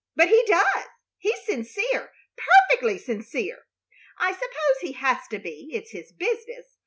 But he does. He's sincere! Perfectly sincere. I suppose he has to be. It's his business.